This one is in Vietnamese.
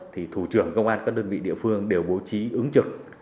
thì thủ trưởng công an các đơn vị địa phương đều bố trí ứng trực